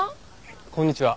こんにちは。